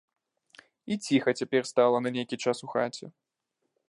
І ціха цяпер стала на нейкі час у хаце.